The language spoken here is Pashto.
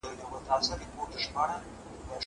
زه به نان خوړلی وي!